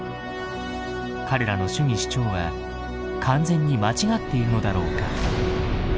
彼らの主義主張は完全に間違っているのだろうか。